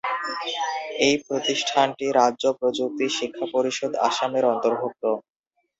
এই প্রতিষ্ঠানটি রাজ্য প্রযুক্তি শিক্ষা পরিষদ, আসামের অন্তর্ভুক্ত।